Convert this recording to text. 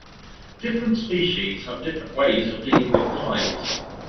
Different species have different ways of dealing with tides.